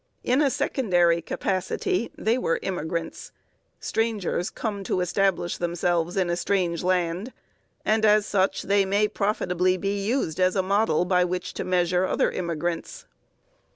In a secondary capacity they were immigrants strangers come to establish themselves in a strange land and as such they may profitably be used as a model by which to measure other immigrants.